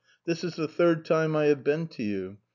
" This is the third time I have been to see you.